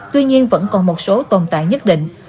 tuy nhiên vẫn còn một số tồn tại nhất định